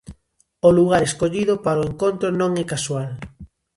O lugar escollido para o encontro non é casual.